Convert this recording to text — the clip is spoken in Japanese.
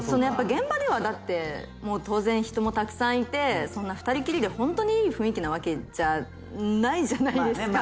現場ではだってもう当然人もたくさんいて２人きりでホントにいい雰囲気なわけじゃないじゃないですか。